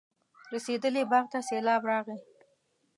رسېدلي باغ ته سېلاب راغی.